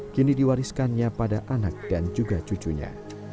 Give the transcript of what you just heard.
kini diwariskannya pada anak dan juga cucunya